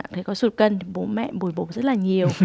thấy có sụt cân thì bố mẹ bồi bổ rất là nhiều